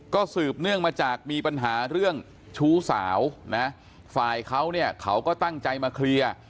ก็สืบเนื่องมาจากมีปัญหาเรื่องชู้สาวนะฝ่ายเขาเนี่ยเขาก็ตั้งใจมาเคลียร์